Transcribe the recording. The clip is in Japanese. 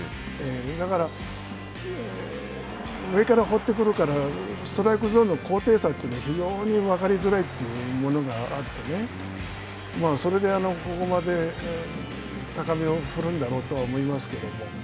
だから、上から放ってくるから、ストライクゾーンの高低差というのが非常に分かりづらいというものがあってね、それで、ここまで高めを振るんだろうと思いますけど。